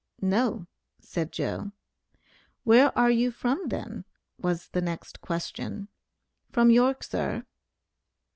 "No," said "Joe." "Where are you from then?" was the next question. "From York, sir."